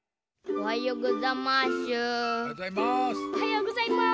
おはようございます。